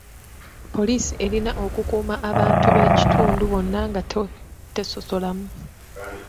Poliisi erina okukuuma abantu b'ekitundu bonna nga tesosolamu.